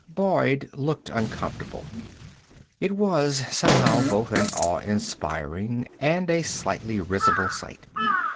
Boyd looked uncomfortable. It was, somehow, both an awe inspiring and a slightly risible sight.